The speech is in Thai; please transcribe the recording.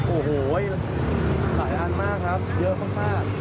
โอ้โหหลายอันมากครับเยอะมาก